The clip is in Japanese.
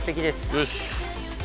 よし！